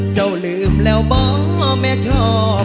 เจ้าลืมแล้วบ่แม่ชอบ